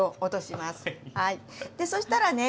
そしたらね